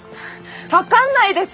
分かんないです！